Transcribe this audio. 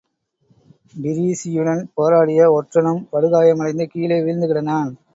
டிரீஸியுடன் போராடிய ஒற்றனும் படுகாயமடைந்து கீழே வீழ்ந்துகிடந்தான்.